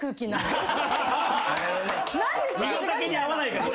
身の丈に合わないからね。